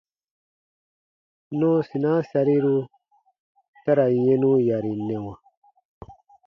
Nɔɔsinaa sariru ta ra yɛnu yarinɛwa.